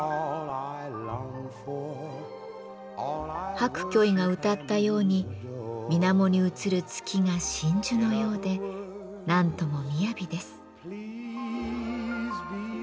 白居易が歌ったように水面に映る月が真珠のようでなんとも雅です。